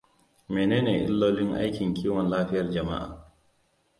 Menene illolin aikin kiwon lafiyar jama'a?